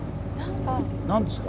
何ですか？